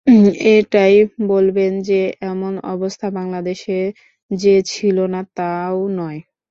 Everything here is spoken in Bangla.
এটাই বলবেন যে এমন অবস্থা বাংলাদেশে যে ছিল না তা ও নয়।